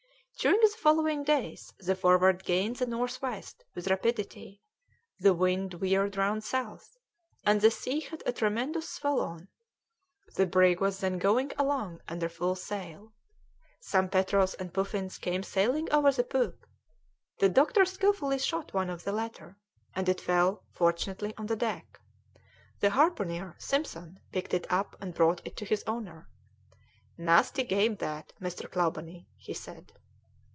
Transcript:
During the following days the Forward gained the north west with rapidity; the wind veered round south, and the sea had a tremendous swell on; the brig was then going along under full sail. Some petrels and puffins came sailing over the poop; the doctor skilfully shot one of the latter, and it fell, fortunately, on the deck. The harpooner, Simpson, picked it up and brought it to its owner. "Nasty game that, Mr. Clawbonny," he said.